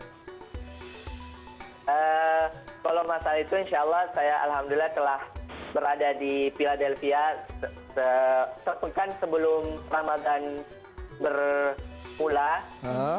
kalau masalah itu insya allah saya alhamdulillah telah berada di philadelphia sepekan sebelum ramadan berpulang